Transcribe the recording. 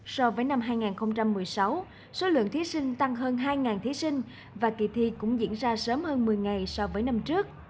hai nghìn một mươi bảy hai nghìn một mươi tám so với năm hai nghìn một mươi sáu số lượng thí sinh tăng hơn hai thí sinh và kỳ thi cũng diễn ra sớm hơn một mươi ngày so với năm trước